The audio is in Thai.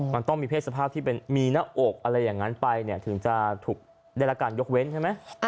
มันต้องมีเพศสภาพที่เป็นมีหน้าอกอะไรอย่างนั้นไปเนี่ยถึงจะถูกได้รับการยกเว้นใช่ไหม